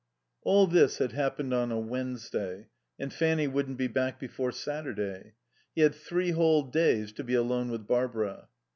5 All this happened on a Wednesday, and Fanny wouldn't be back before Saturday. He had three whole days to be alone with Barbara.